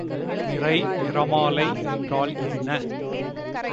நிறை நிறமாலை என்றால் என்ன?